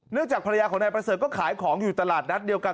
จากภรรยาของนายประเสริฐก็ขายของอยู่ตลาดนัดเดียวกัน